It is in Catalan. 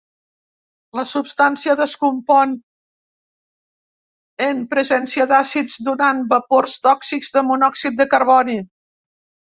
La substància descompon en presència d'àcids donant vapors tòxics de monòxid de carboni.